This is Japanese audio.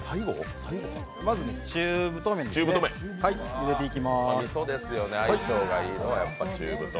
まず中太麺、入れていきます。